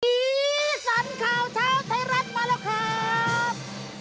สีสันข่าวเช้าไทยรัฐมาแล้วครับ